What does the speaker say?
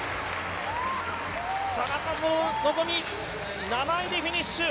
田中希実７位でフィニッシュ。